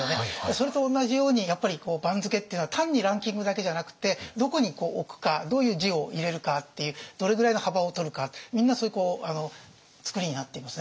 それと同じようにやっぱり番付っていうのは単にランキングだけじゃなくってどこに置くかどういう字を入れるかっていうどれぐらいの幅を取るかみんなそういう作りになっていますね。